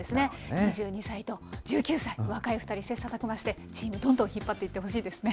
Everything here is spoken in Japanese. ２２歳と１９歳、若い２人、切磋琢磨してチームどんどん引っ張っていってほしいですね。